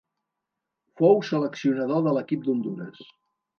Fou seleccionador de l'equip d'Hondures.